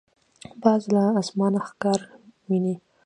باز له اسمانه ښکار ویني.